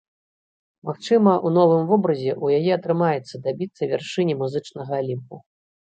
Магчыма, у новым вобразе ў яе атрымаецца дабіцца вяршыні музычнага алімпу.